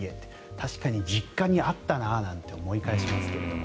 確かに実家にあったななんて思い返しますけどね。